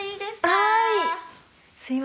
はい！